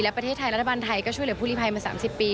และประเทศไทยรัฐบาลไทยก็ช่วยเหลือผู้ลิภัยมา๓๐ปี